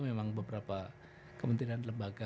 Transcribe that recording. memang beberapa kementerian lembaga